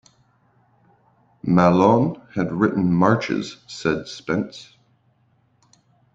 "Mahlon had written marches," said Spence.